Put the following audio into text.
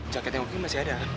jaketnya oki masih ada